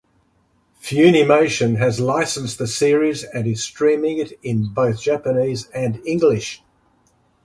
Funimation has licensed the series and is streaming it in both Japanese and English.